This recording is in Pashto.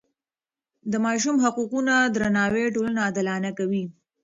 د ماشوم حقونو ته درناوی ټولنه عادلانه کوي.